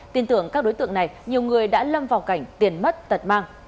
tin tưởng các đối tượng này nhiều người đã lâm vào cảnh tiền mất tật mang